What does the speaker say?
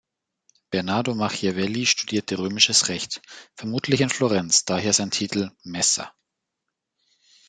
Bernardo Machiavelli studierte Römisches Recht, vermutlich in Florenz, daher sein Titel "messer".